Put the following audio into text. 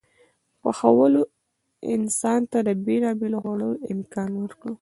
پخولو انسان ته د بېلابېلو خوړو د خوړلو امکان ورکړ.